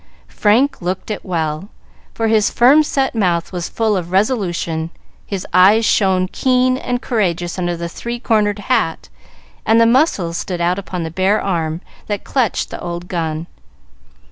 Frank looked it very well, for his firm set mouth was full of resolution, his eyes shone keen and courageous under the three cornered hat, and the muscles stood out upon the bare arm that clutched the old gun.